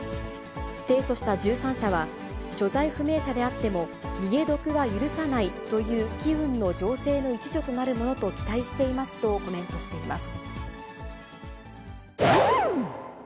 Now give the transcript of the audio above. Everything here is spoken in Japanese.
提訴した１３社は、所在不明者であっても、逃げ得は許さないという機運の醸成の一助となるものと期待していますとコメントしています。